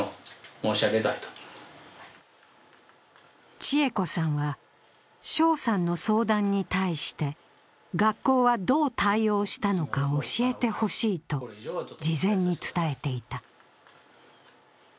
千栄子さんは翔さんの相談に対して学校はどう対応したのか教えてほしいと事前に伝えていた。